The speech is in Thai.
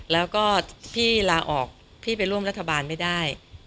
แล้วก็พี่ลาออกพี่ไปร่วมรัฐบาลไม่ได้